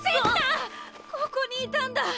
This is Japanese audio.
ここにいたんだ！